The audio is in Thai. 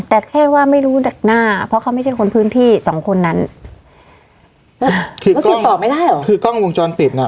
แต่แค่ว่าไม่รู้ดักหน้าเพราะเขาไม่ใช่คนพื้นที่สองคนนั้นเขาสืบต่อไม่ได้หรอคือกล้องวงจรปิดน่ะ